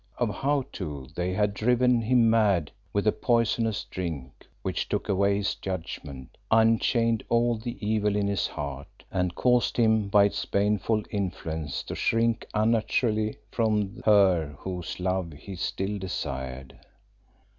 Of how too they had driven him mad with a poisonous drink which took away his judgment, unchained all the evil in his heart, and caused him by its baneful influence to shrink unnaturally from her whose love he still desired.